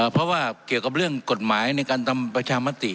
เพราะว่าเกี่ยวกับเรื่องกฎหมายในการทำประชามติ